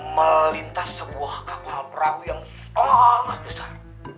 melintas sebuah kapal perahu yang sangat besar